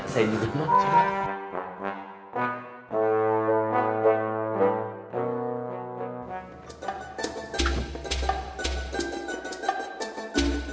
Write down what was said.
saya jemput mak